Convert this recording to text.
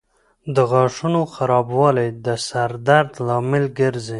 د غاښونو خرابوالی د سر درد لامل ګرځي.